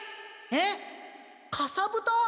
えっかさぶた？